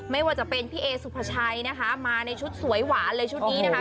ไม่ว่าจะเป็นพี่เอสุภาชัยนะคะมาในชุดสวยหวานเลยชุดนี้นะคะ